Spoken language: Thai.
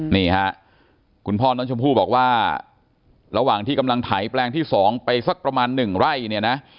นี่ฮะคุณพ่อน้องชมพู่บอกว่าระหว่างที่กำลังไถแปลงที่๒ไปสักประมาณ๑ไร่เนี่ยนะ